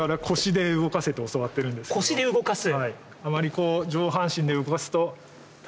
腰で動かす。